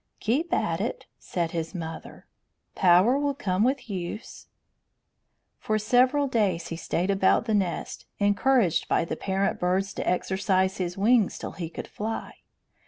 "Keep at it," said his mother. "Power will come with use." For several days he stayed about the nest, encouraged by the parent birds to exercise his wings till he could fly.